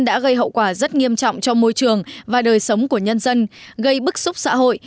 đã gây hậu quả rất nghiêm trọng cho môi trường và đời sống của nhân dân gây bức xúc xã hội